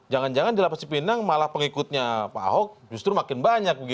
jangan jangan di lapas cipinang malah pengikutnya pak ahok justru makin banyak